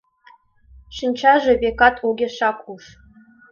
Шинчаже, векат, огешак уж.